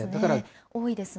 多いですね。